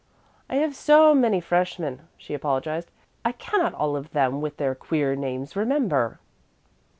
"I have so many freshmen," she apologized, "I cannot all of them with their queer names remember."